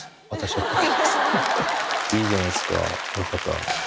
いいじゃないですか親方。